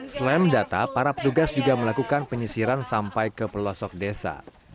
selain data para petugas juga melakukan penyisiran sampai ke pelosok desa